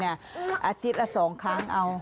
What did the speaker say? อาทิตย์ละ๒ครั้งเอา